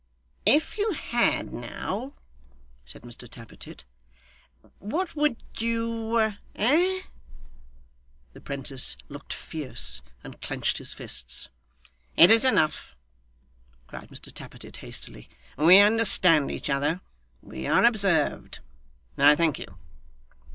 'If you had now ' said Mr Tappertit 'what would you eh? ' The 'prentice looked fierce and clenched his fists. 'It is enough,' cried Mr Tappertit hastily, 'we understand each other. We are observed. I thank you.